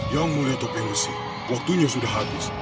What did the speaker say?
yang mulia topengusi waktunya sudah habis